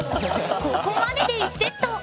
ここまでで１セット！